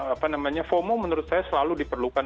apa namanya fomo menurut saya selalu diperlukan